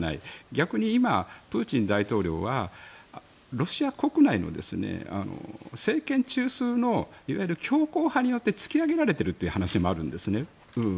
逆に今、プーチン大統領はロシア国内の政権中枢のいわゆる強硬派によって突き上げられているという話もあるんですね。